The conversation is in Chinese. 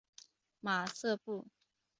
马瑟布。